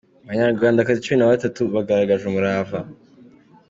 Abanyarwandakazi cumi na batatu bagaragaje umurava